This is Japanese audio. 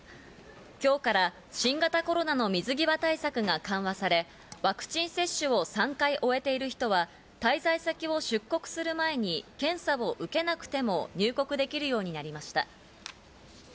今日から新型コロナの水際対策が緩和され、ワクチン接種を３回終えている人は滞在先を出国する前に検査を受けなくても入国できるようになりました。